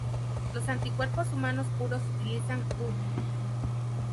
Los anticuerpos humanos puros utilizan "-u-".